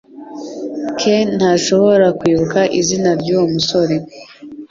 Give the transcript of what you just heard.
Ken ntashobora kwibuka izina ryuwo musore